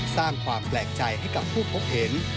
สร้างความแปลกใจให้กับผู้พบเห็น